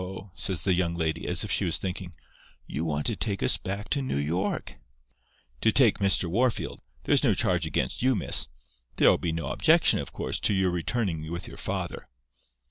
says the young lady, as if she was thinking, 'you want to take us back to New York?' "'To take Mr. Wahrfield. There's no charge against you, miss. There'll be no objection, of course, to your returning with your father.